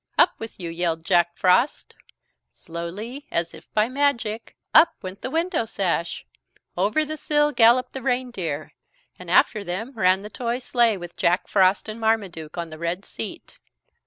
"Up with you!" yelled Jack Frost. Slowly, as if by magic, up went the window sash! Over the sill galloped the reindeer. And after them ran the toy sleigh with Jack Frost and Marmaduke on the red seat.